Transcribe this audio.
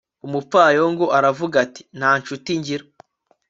umupfayongo aravuga ati nta ncuti ngira